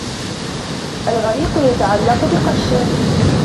الغريق يتعلق بقشة.